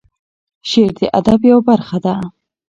شعر د ادب یوه برخه ده.